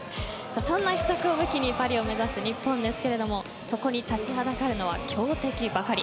そんな秘策を武器にパリを目指す日本ですがそこに立ちはだかるのは強敵ばかり。